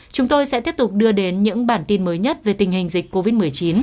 chúng tôi sẽ tiếp tục đưa đến những bản tin mới nhất về tình hình dịch covid một mươi chín